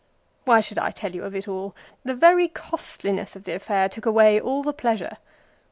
Why should I tell you of it all ? The very costliness of the affair took away all the pleasure.